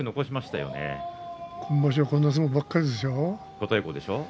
今場所はこんな相撲ばっかりでしょう？